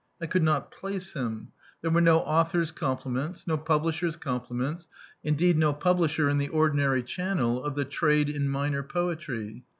I could not place him. There were no author's compliments, no publisher's compliments, indeed no publisher in the ordinary channel of the trade in minor poetry.